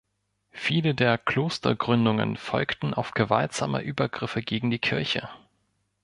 Viele der Klostergründungen folgten auf gewaltsame Übergriffe gegen die Kirche.